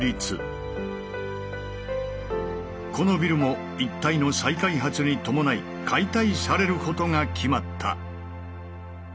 このビルも一帯の再開発に伴い解体されることが決まった。